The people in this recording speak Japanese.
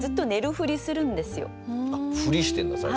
ふりしてるんだ最初。